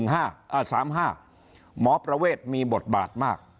หมอประเวทมีบทบาทมาก